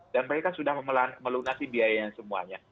dan mereka sudah melunasi biaya yang semuanya